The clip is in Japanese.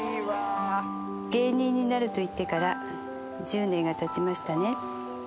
芸人になると言ってから１０年がたちましたね。